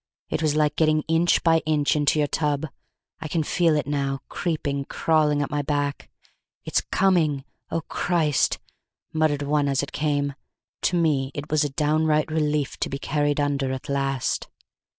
It was like getting inch by inch into your tub; I can feel it now, creeping, crawling up my back. "It's coming! O Christ!" muttered one as it came; to me it was a downright relief to be carried under at last.